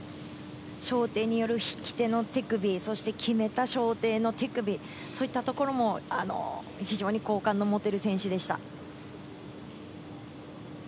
掌底による引き手の手首、決めた掌底の手首、そういったところも非常に好感のもてる選手でした。